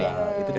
nah itu juga